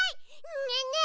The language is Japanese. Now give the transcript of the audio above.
ねえねえ